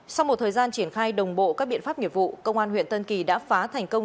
sau một thời gian triển khai đồng bộ các biện pháp nghiệp vụ công an huyện tân kỳ đã phá thành công